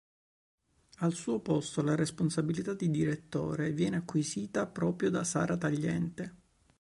Al suo posto la responsabilità di direttore viene acquisita proprio da Sara Tagliente.